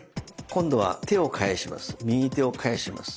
今度は手を返します。